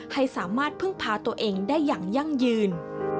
ให้สามารถพึ่งพาตัวเองได้อย่างยั่งยืน